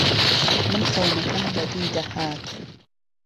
من خهونهکم وهدی دههات